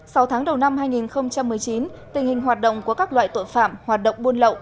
sau tháng đầu năm hai nghìn một mươi chín tình hình hoạt động của các loại tội phạm hoạt động buôn lậu